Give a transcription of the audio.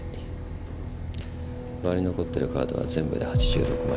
周りの残ってるカードは全部で８６枚。